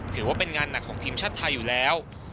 ถือว่าเป็นงานหนักของทีมชาติไทยอยู่แล้ว